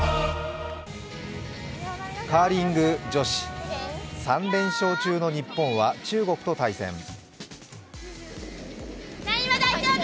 カーリング女子、３連勝中の日本は中国と対戦。